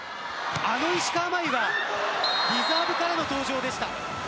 あの石川真佑がリザーブからの登場でした。